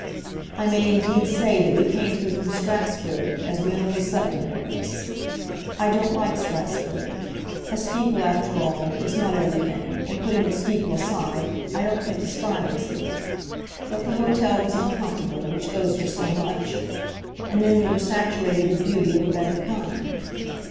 I may indeed say that we came through from Strasbourg, as we only slept in Paris. I don't like Strasbourg. A steeple, after all, is not everything, and putting the steeple aside, I don't think the style is good. But the hotel was uncomfortable, which goes for so much; and then we were saturated with beauty of a better kind.